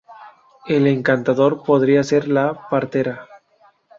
El encantador podría ser la partera.